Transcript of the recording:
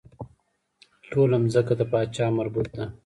ټوله ځمکه د پاچا مربوط ده.